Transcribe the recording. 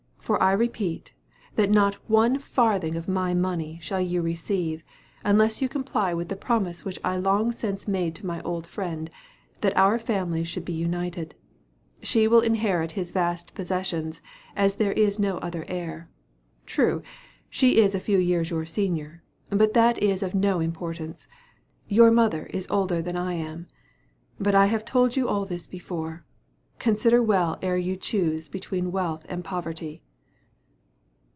for I repeat, that not one farthing of my money shall you receive, unless you comply with the promise which I long since made to my old friend, that our families should be united. She will inherit his vast possessions, as there is no other heir. True, she is a few years your senior; but that is of no importance. Your mother is older than I am. But I have told you all this before. Consider well ere you choose between wealth and poverty."